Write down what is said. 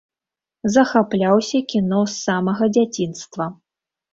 Захапляўся кіно з самага дзяцінства.